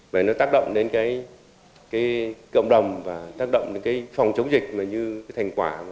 và nó tác động đến cộng đồng và tác động đến phòng chống dịch như thành quả